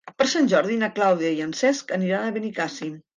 Per Sant Jordi na Clàudia i en Cesc aniran a Benicàssim.